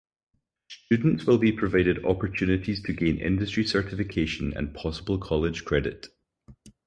Students will be provided opportunities to gain industry certification and possible college credit.